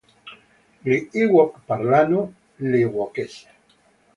Gli Ewok parlano l'Ewokese.